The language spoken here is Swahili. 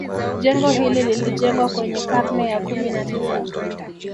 Jengo hili lilijengwa kwenye karne ya kumi na tisa